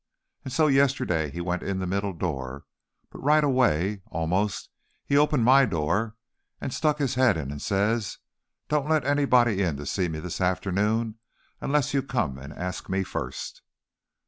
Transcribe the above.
And, so, yest'day, he went in the middle door, but right away, almost, he opened my door and stuck his head in, and says, 'Don't let anybody in to see me this afternoon, unless you come and ask me first.'"